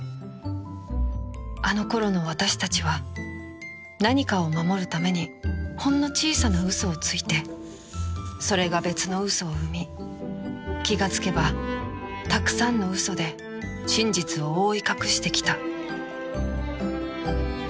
あの頃の私たちは何かを守るためにほんの小さな嘘をついてそれが別の嘘を生み気がつけばたくさんの嘘で真実を覆い隠してきた